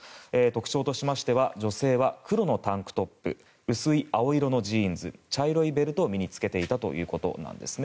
特徴としましては女性は黒のタンクトップ薄い青色のジーンズ茶色いベルトを身に着けていたということです。